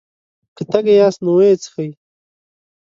که تږي ياست نو ويې څښئ!